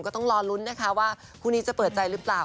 ก็ต้องรอลุ้นนะคะว่าคู่นี้จะเปิดใจหรือเปล่า